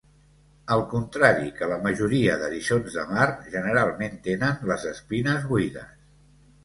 Al contrari que la majoria d'eriçons de mar, generalment tenen les espines buides.